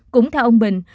cũng theo ông bình